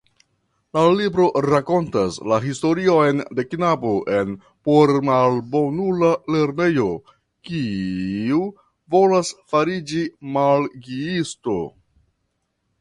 La libro rakontas la historion de knabo en pormalbonula lernejo kiu volas fariĝi magiisto.